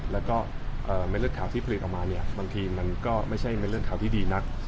แล้วก็เม็ดเลือดขาวที่ผลิตออกมาเนี่ยบางทีมันก็ไม่ใช่เม็ดเลือดขาวที่ดีนัก